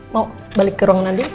mau balik ke ruang nandu